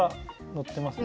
のってますね。